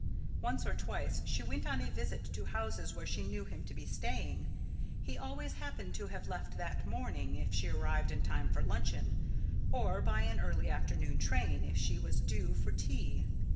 Once or twice she went on a visit to houses where she knew him to be staying. He always happened to have left that morning, if she arrived in time for luncheon; or by an early afternoon train, if she was due for tea.